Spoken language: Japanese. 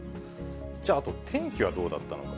じゃああと、天気はどうだったのか。